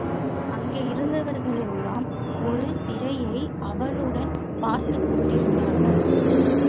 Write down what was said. அங்கே இருந்தவர்களெல்லாம் ஒரு திரையை ஆவலுடன் பார்த்துக் கொண்டிருந்தார்கள்.